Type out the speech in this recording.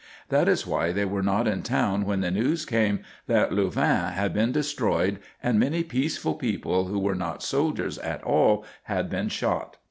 That is why they were not in town when the news came that Louvain had been destroyed and many peaceful people who were not soldiers at all had been shot.